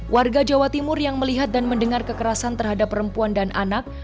warga jawa timur yang melihat dan mendengar kekerasan terhadap perempuan dan anak